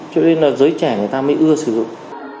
cho nên là giới trẻ người ta mới ưa sử dụng